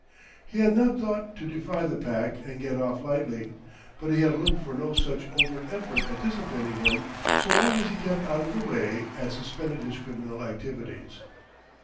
He had not thought to defy the Pack and get off lightly; but he had looked for no such overt effort at disciplining him so long as he kept out of the way and suspended his criminal activities.